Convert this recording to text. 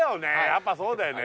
やっぱそうだよね。